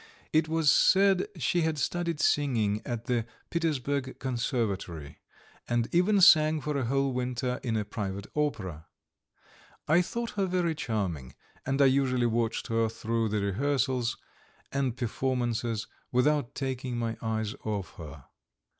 It was said she had studied singing at the Petersburg Conservatoire, and even sang for a whole winter in a private opera. I thought her very charming, and I usually watched her through the rehearsals and performances without taking my eyes off her.